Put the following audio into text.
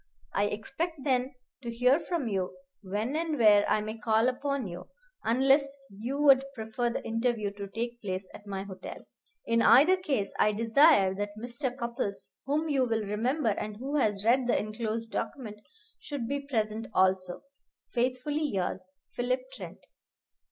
I expect, then, to hear from you when and where I may call upon you; unless you would prefer the interview to take place at my hotel. In either case I desire that Mr. Cupples, whom you will remember, and who has read the enclosed document, should be present also. Faithfully yours, PHILIP TRENT.